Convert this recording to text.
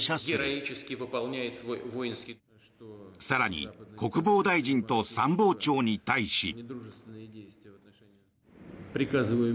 更に国防大臣と参謀長に対し。